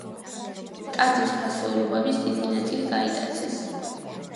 ტაძრის ფასეულობების დიდი ნაწილი გაიტაცეს.